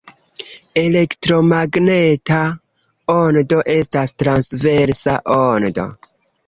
Elektromagneta ondo estas transversa ondo.